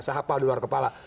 sahabat luar kepala